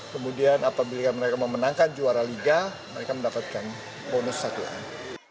kemudian apabila mereka memenangkan juara liga mereka mendapatkan bonus satuan